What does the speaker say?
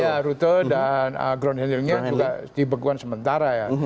ya rute dan ground handlingnya juga dibekuan sementara ya